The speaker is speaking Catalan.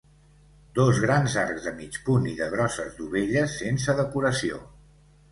Dos grans arcs de mig punt i de grosses dovelles sense decoració.